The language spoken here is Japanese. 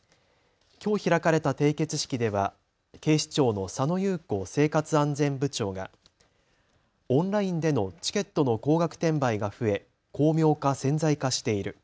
きょう開かれた締結式では警視庁の佐野裕子生活安全部長がオンラインでのチケットの高額転売が増え巧妙化・潜在化している。